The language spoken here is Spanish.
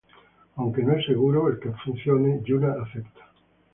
Aunque no es seguro el que funcione, Yuna acepta.